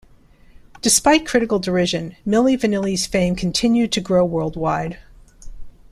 Despite critical derision, Milli Vanilli's fame continued to grow worldwide.